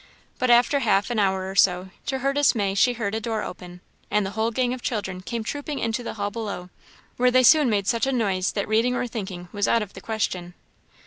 But after half an hour or so, to her dismay she heard a door open, and the whole gang of children come trooping into the hall below, where they soon made such a noise that reading or thinking was out of the question.